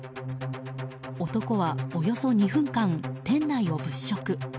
男はおよそ２分間、店内を物色。